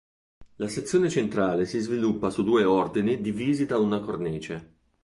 La sezione centrale si sviluppa su due ordini divisi da una cornice.